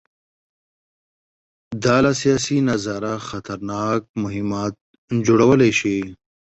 دا له سیاسي نظره خطرناک مهمات جوړولی شي.